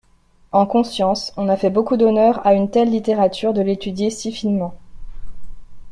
En conscience, on a fait beaucoup d'honneur à une telle littérature de l'étudier si finement.